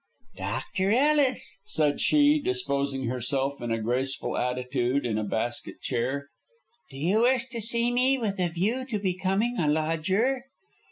"Dr. Ellis!" said she, disposing herself in a graceful attitude in a basket chair. "Do you wish to see me with a view to becoming a lodger?"